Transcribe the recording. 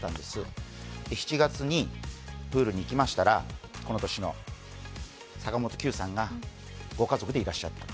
この年の７月にプールに行きましたら、坂本九さんが、ご家族でいらっしゃってた。